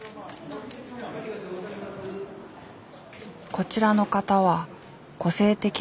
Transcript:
こちらの方は個性的な服。